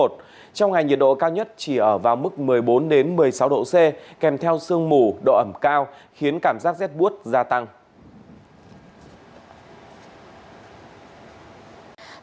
trong ngày nhiệt độ cao nhất chỉ ở vào mức một mươi bốn đến một mươi sáu độ c kèm theo sương mủ độ ẩm cao khiến cảm giác rét buốt gia tăng hơn